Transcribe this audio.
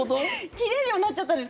切れるようになっちゃったんです。